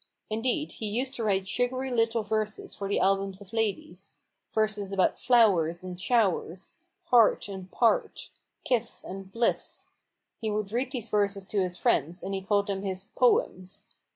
Indeed, he used to write sugary little verses for the albums of ladies — verses about "flowers" and " showers," "heart" and "part," " kiss " and "bliss." He would read these verses to his friends, and he called them his "poems."